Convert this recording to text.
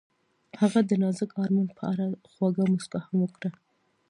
هغې د نازک آرمان په اړه خوږه موسکا هم وکړه.